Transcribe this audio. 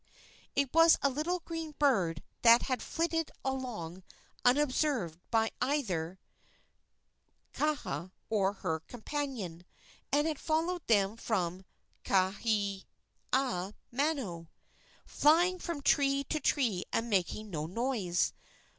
It was a little green bird that had flitted along unobserved either by Kaha or her companion, and had followed them from Kahaiamano, flying from tree to tree and making no noise.